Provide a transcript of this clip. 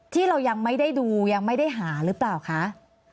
ที่เรายังไม่ได้ดูยังไม่ได้หาหรือเปล่าคะ